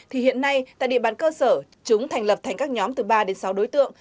thì hiện nay tại địa bàn cơ sở chúng thành lập thành các nhóm từ ba đến sáu đối tượng